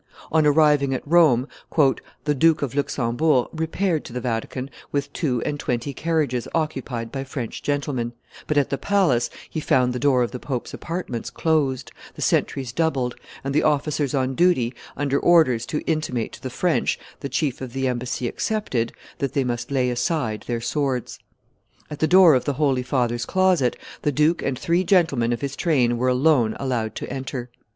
On arriving at Rome, "the Duke of Luxembourg repaired to the Vatican with two and twenty carriages occupied by French gentlemen; but, at the palace, he found the door of the pope's apartments closed, the sentries doubled, and the officers on duty under orders to intimate to the French, the chief of the embassy excepted, that they must lay aside their swords. At the door of the Holy Father's closet, the duke and three gentlemen of his train were alone allowed to enter.